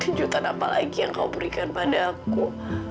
kejutan apa lagi yang kau berikan pada aku